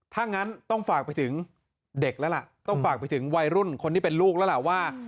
ถ้างั้นต้องฝากไปถึงเด็กแล้วล่ะต้องฝากไปถึงวัยรุ่นคนที่เป็นลูกแล้วล่ะว่า